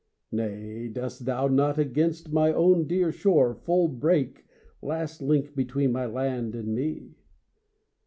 Nay, dost thou not against my own dear shore Full break, last link between my land and me?